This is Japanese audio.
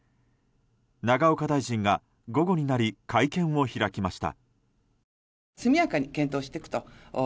永岡大臣が午後になり会見を開きました。